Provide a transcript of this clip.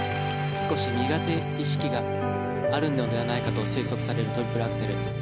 少し苦手意識があるのではないかと推測されるトリプルアクセル。